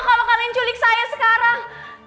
kalau kalian culik saya sekarang